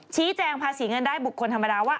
ชี้แจงภาษีเงินได้บุคคลธรรมดาว่า